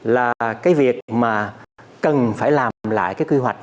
là cái việc mà cần phải làm lại cái quy hoạch